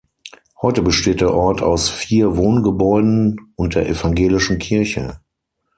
Heute besteht der Ort aus vier Wohngebäuden und der evangelischen Kirche.